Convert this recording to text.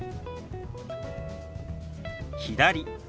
「左」。